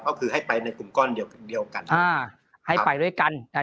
ก็คือให้ไปในกลุ่มก้อนเดียวกันอ่าให้ไปด้วยกันอ่า